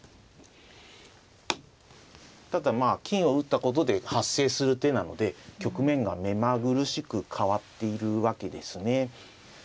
ただまあ金を打ったことで発生する手なので局面が目まぐるしく変わっているわけですね。